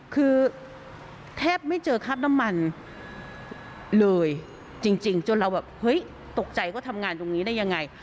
คือแทบไม่เจอคราบน้ำมันเลยจริงจนเราแบบเฮ้ยตกใจว่าทำงานตรงนี้ได้ยังไง